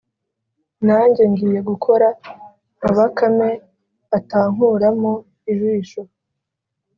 Nanjye ngiye gukora nka Bakame atankuramo ijisho.